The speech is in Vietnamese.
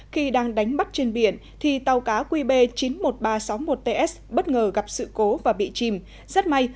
khi đang đánh bắt trên biển thì tàu cá qb chín mươi một nghìn ba trăm sáu mươi một ts bất ngờ gặp sự cố và bị chìm rất may